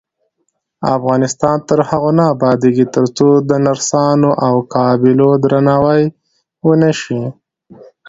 افغانستان تر هغو نه ابادیږي، ترڅو د نرسانو او قابلو درناوی ونشي.